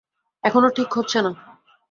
এখনো ঠিক হচ্ছে না।